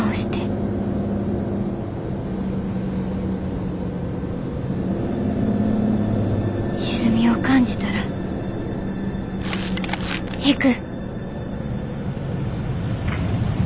心の声沈みを感じたら引く。